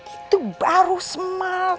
itu baru semak